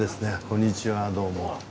こんにちはどうも。